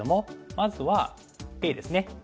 まずはＡですね。